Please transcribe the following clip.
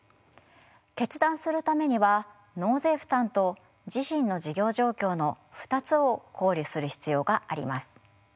決断するためには納税負担と自身の事業状況の２つを考慮する必要があります。